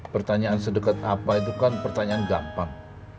pertanyaan sedekat apa itu kan pertanyaan gampang